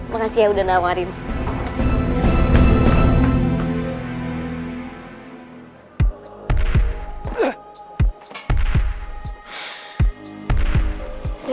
makasih ya udah nama hari ini